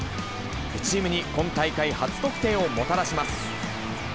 チームに今大会初得点をもたらします。